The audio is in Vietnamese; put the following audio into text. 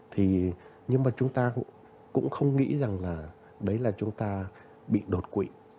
thì nhưng mà chúng ta cũng không nghĩ rằng là đấy là chúng ta bị đột quỵ